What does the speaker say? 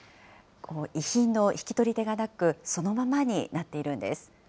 遺品の引き取り手がなく、そのままになっているんです。